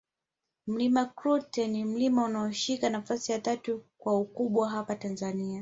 Mlima Klute ni mlima unaoshika nafasi ya tatu kwa ukubwa hapa Tanzania